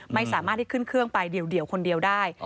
ไม่สามารถที่ขึ้นเครื่องไปเดี่ยวคนเดียวได้